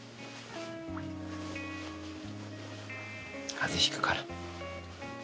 風邪引くから。